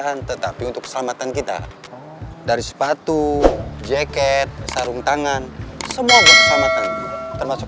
kan tetapi untuk keselamatan kita dari sepatu jaket sarung tangan semoga keselamatan termasuk